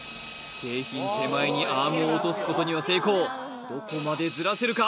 景品手前にアームを落とすことには成功どこまでずらせるか？